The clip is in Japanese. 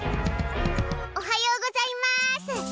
おはようございます！